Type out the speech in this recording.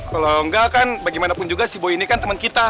kalo enggak kan bagaimanapun juga si boy ini kan temen kita